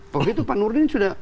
waktu itu pak nurdin sudah